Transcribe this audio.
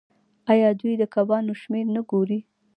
آیا دوی د کبانو شمیر نه ګوري؟